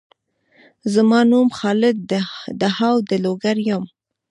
زما نوم خالد دهاو د لوګر یم